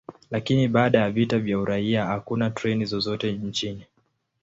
Lakini baada ya vita vya uraia, hakuna treni zozote nchini.